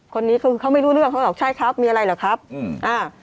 คนนี้คือเขาไม่รู้เรื่องเขาหรอกใช่ครับมีอะไรเหรอครับอืมอ่า